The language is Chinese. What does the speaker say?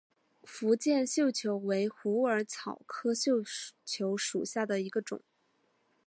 福建绣球为虎耳草科绣球属下的一个种。